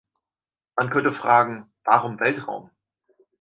Man könnte fragen, warum Weltraum?